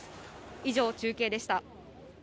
以上、中継でした。